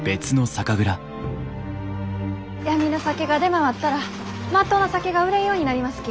闇の酒が出回ったらまっとうな酒が売れんようになりますき。